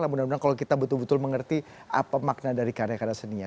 mudah mudahan kalau kita betul betul mengerti apa makna dari karya karya seninya